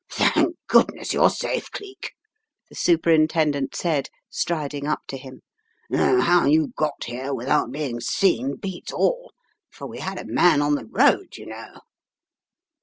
"Thank goodness you're safe, Cleek!" the Superintendent said, striding up to him, "though how you got here, without being seen beats all, for we had a man on the road you know."